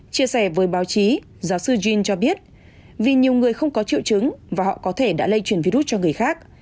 chia sẻ với báo chí giáo sư jean cho biết vì nhiều người không có triệu chứng và họ có thể đã lây truyền virus cho người khác